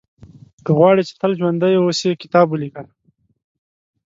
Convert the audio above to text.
• که غواړې چې تل ژوندی اوسې، کتاب ولیکه.